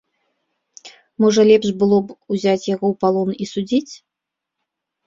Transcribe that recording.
Можа лепш было б узяць яго ў палон і судзіць?